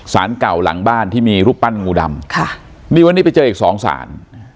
สารเก่าหลังบ้านที่มีรูปปั้นงูดำค่ะนี่วันนี้ไปเจออีกสองสาร